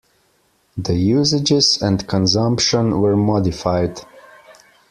The usages and consumption were modified.